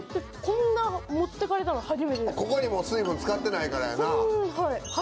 ここに水分使ってないからやな。